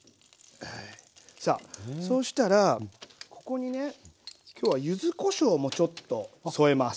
さあそうしたらここにね今日は柚子こしょうもちょっと添えます。